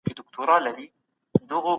د ژوند تېرولو قانون.